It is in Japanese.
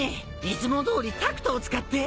いつもどおりタクトを使って。